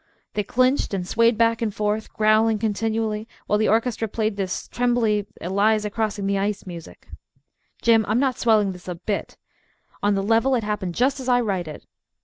They clinched, and swayed back and forth, growling continually, while the orchestra played this trembly Eliza crossing the ice music. Jim, I'm not swelling this a bit. On the level, it happened just as I write it.